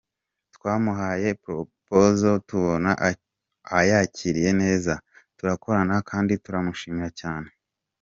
Twamuhaye proposal tubona ayakiriye neza, turakorana kandi turamushimira cyane.